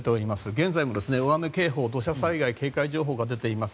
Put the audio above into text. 現在も大雨警報や土砂災害警戒情報が出ています。